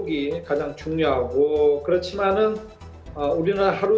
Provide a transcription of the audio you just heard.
kita juga memiliki sebagian lagi waktu